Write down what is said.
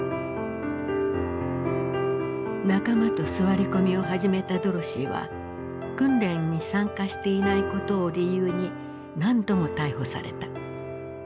仲間と座り込みを始めたドロシーは訓練に参加していないことを理由に何度も逮捕された。